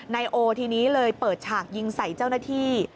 นายโอทีนี้เลยเปิดฉากยิงใส่เจ้าหน้าที่